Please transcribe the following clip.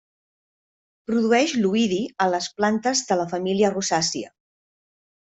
Produeix l'oïdi a les plantes de la família rosàcia.